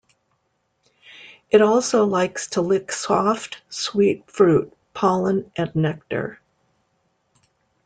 It also likes to lick soft, sweet fruit, pollen and nectar.